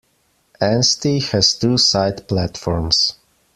Anstey has two side platforms.